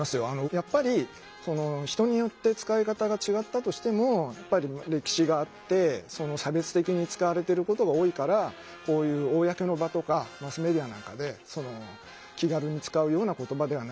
やっぱり人によって使い方が違ったとしても歴史があって差別的に使われてることが多いからこういう公の場とかマスメディアなんかで気軽に使うような言葉ではないよと。